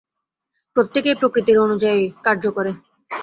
প্রত্যেকেই প্রকৃতির অনুযায়ী কার্য করে।